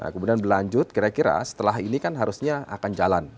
kemudian berlanjut kira kira setelah ini kan harusnya akan jalan